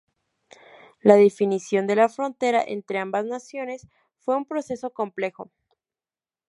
La definición de la frontera entre ambas naciones fue un proceso complejo.